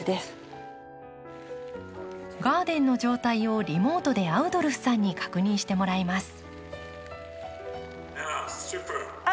ガーデンの状態をリモートでアウドルフさんに確認してもらいます。